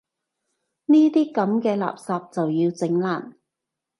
呢啲噉嘅垃圾就要整爛